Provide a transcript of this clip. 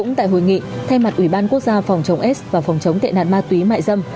cũng tại hội nghị thay mặt ủy ban quốc gia phòng chống s và phòng chống tệ nạn ma túy mại dâm